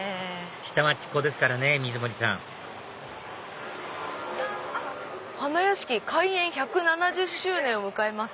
下町っ子ですからね水森さん「花やしき開園１７０周年を迎えます」。